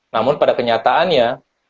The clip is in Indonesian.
namun pada kenyataannya